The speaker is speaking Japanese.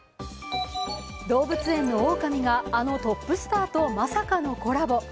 動物園のオオカミがあのトップスターとまさかのコラボ。